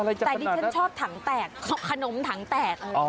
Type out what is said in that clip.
อะไรจักขนาดนั้นแต่ที่ฉันชอบถังแตกขนมถังแตก